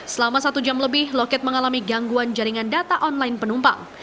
selama satu jam lebih loket mengalami gangguan jaringan data online penumpang